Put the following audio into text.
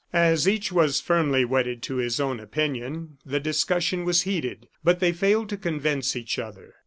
As each was firmly wedded to his own opinion, the discussion was heated, but they failed to convince each other.